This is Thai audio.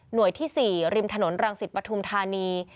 หน่วยที่๔ริมถนนรังสิทธิ์ประทุมธานี